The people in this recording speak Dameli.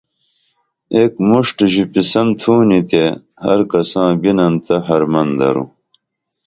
ایک مُݜٹھ ژوپیسن تُھونی تے ہر کساں بنین تہ حرمن درو